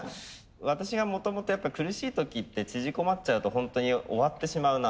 私がもともと苦しい時って縮こまっちゃうとホントに終わってしまうなと。